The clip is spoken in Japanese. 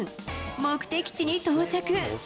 目的地に到着。